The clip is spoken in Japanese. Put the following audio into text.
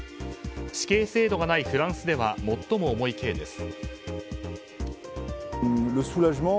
死刑制度がないフランスでは最も重い刑です。